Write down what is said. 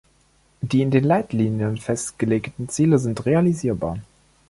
Die in den Leitlinien festgelegten Ziele sind realisierbar.